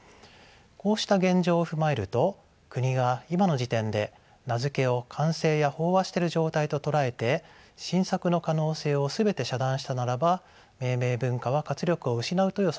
こうした現状を踏まえると国が今の時点で名付けを完成や飽和している状態と捉えて新作の可能性を全て遮断したならば命名文化は活力を失うと予測されます。